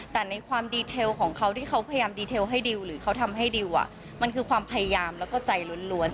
แต่ในความดีเทลของเขาที่เขาพยายามดีเทลให้ดิวหรือเขาทำให้ดิวมันคือความพยายามแล้วก็ใจล้วน